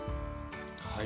はい。